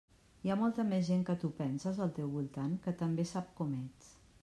Hi ha molta més gent que tu penses, al teu voltant, que també sap com ets.